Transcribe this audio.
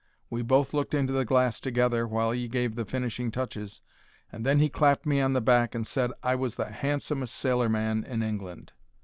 We both looked into the glass together while 'e gave the finishing touches, and then he clapped me on the back and said I was the handsomest sailorman in England.